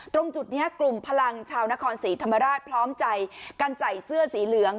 ตรงจุดนี้กลุ่มพลังชาวนครศรีธรรมราชพร้อมใจกันใส่เสื้อสีเหลือง